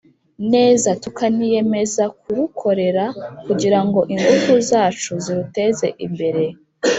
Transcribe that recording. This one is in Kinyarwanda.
neza, tukaniyemeza kurukorera kugira ngo ingufu zacu ziruteze imbere.